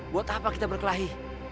buat apa kita berkelahi